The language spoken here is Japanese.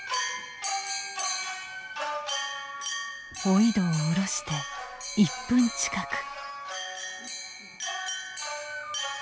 おいどを下ろして１分近く。